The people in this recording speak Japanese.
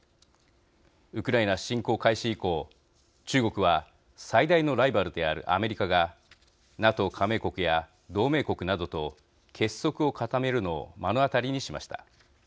ウクライナ侵攻開始以降中国は最大のライバルであるアメリカがＮＡＴＯ加盟国や同盟国などと結束を固めるのを目の当たりにしました。